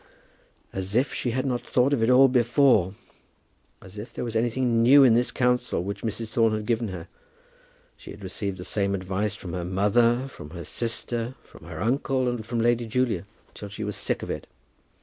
As if she had not thought of it all before! As if there was anything new in this counsel which Mrs. Thorne had given her! She had received the same advice from her mother, from her sister, from her uncle, and from Lady Julia, till she was sick of it.